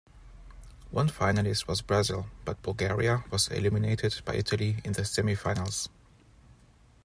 One finalist was Brazil, but Bulgaria was eliminated by Italy in the semifinals.